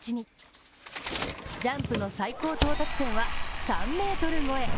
ジャンプの最高到達点は３ｍ超え。